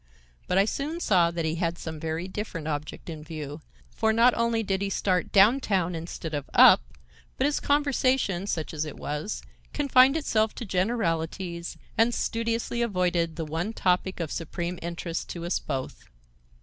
But I soon saw that he had some very different object in view, for not only did he start down town instead of up, but his conversation, such as it was, confined itself to generalities and studiously avoided the one topic of supreme interest to us both.